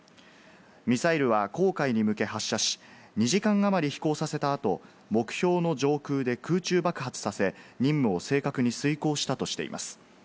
ミサイルは黄海に向け発射し、２時間あまり飛行させた後、目標の上空で空中爆発させ、任務を正確に遂行したとしています。